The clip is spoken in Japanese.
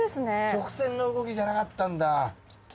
直線の動きじゃなかったんだ。